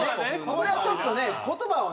これはちょっとね言葉はね。